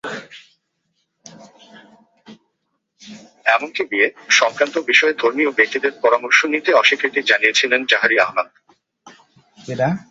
এমনকি বিয়ে-সংক্রান্ত বিষয়ে ধর্মীয় ব্যক্তিদের পরামর্শ নিতে অস্বীকৃতি জানিয়েছিলেন জাহারি আহমাদ।